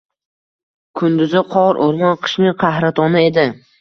Kunduzi qor, o’rmon, qishning qahratoni edi.